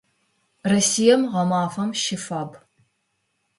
Россием гъэмафэм щыфаб.